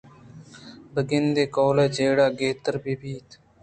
بہ گندے کہول ءِ جیڑہ گہتر بہ بنت